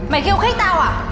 mày kêu khích tao à